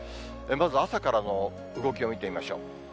まず朝からの動きを見てみましょう。